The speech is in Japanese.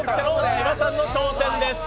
芝さんの挑戦です。